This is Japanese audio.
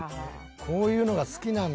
こういうのが好きなんだ。